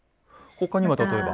ほかには例えば。